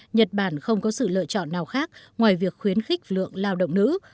nhật bản không có sự lựa chọn nào khác ngoài việc khuyến khích phụ nữ